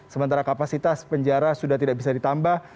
sementara kapasitas penjara sudah tidak bisa ditambah